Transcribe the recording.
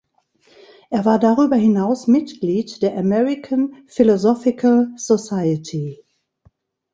Er war darüber hinaus Mitglied der American Philosophical Society.